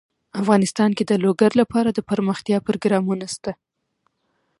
افغانستان کې د لوگر لپاره دپرمختیا پروګرامونه شته.